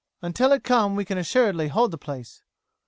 Until it come we can assuredly hold the place."